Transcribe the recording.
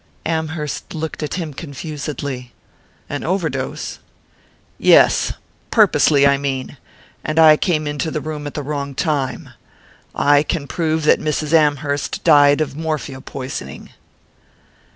Amherst looked at him confusedly. "An overdose?" "Yes purposely, I mean. And I came into the room at the wrong time. I can prove that Mrs. Amherst died of morphia poisoning."